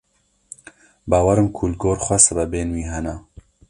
Bawerim ku li gor xwe sebebên wî hene.